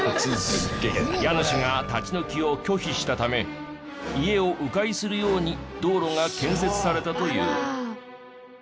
家主が立ち退きを拒否したため家を迂回するように道路が建設されたという。